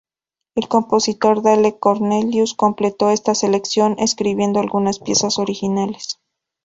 El compositor Dale Cornelius completó esta selección escribiendo algunas piezas originales.